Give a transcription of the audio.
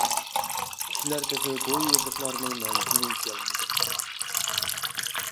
كىشىلەر تېخى بۇ يېزىقلارنىڭ مەنىسىنى يېشەلمىدى.